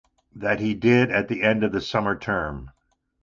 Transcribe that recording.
That he did at the end of the summer term.